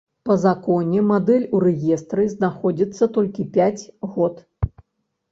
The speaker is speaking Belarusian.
Па законе мадэль у рэестры знаходзіцца толькі пяць год.